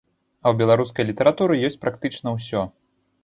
А ў беларускай літаратуры ёсць практычна ўсё.